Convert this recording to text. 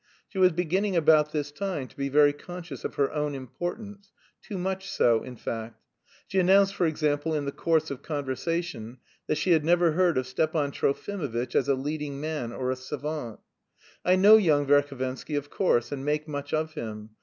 She was beginning about this time to be very conscious of her own importance, too much so, in fact. She announced, for example, in the course of conversation, that she had never heard of Stepan Trofimovitch as a leading man or a savant. "I know young Verhovensky, of course, and make much of him.